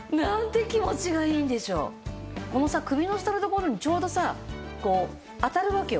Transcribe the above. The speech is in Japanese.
このさ首の下の所にちょうどさこう当たるわけよ。